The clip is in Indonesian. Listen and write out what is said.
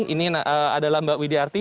ini adalah mbak widyarti